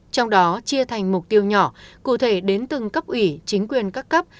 trong đó chia thành mục tiêu nhỏ cụ thể đến từng cấp ủy chính quyền các cấp